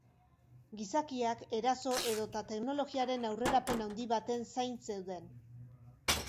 Gizakiak eraso edota teknologiaren aurrerapen handi baten zain zeuden.